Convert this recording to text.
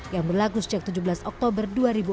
yang berlaku sejak tujuh belas oktober dua ribu enam belas